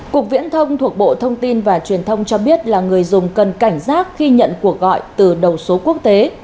cục viễn thông thuộc bộ thông tin và truyền thông cho biết là người dùng cần cảnh giác khi nhận cuộc gọi từ đầu số quốc tế